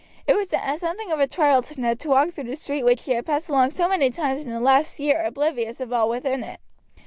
It was something of a trial to Ned to walk through the street which he had passed along so many times in the last year oblivious of all within it.